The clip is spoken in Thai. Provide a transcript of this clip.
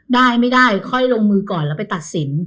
ได้ไม่ได้ค่อยลงมือก่อนแล้วไปตัดสิน